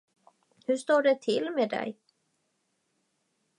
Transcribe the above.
Hur står det till med dig?